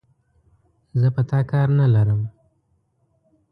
زه په تا کار نه لرم،